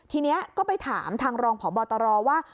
ทีนี้ก็ไปถามทางรองพบตรว่า